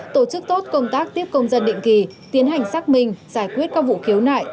tổ chức tốt công tác tiếp công dân định kỳ tiến hành xác minh giải quyết các vụ khiếu nại